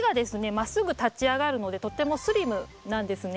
まっすぐ立ち上がるのでとってもスリムなんですね。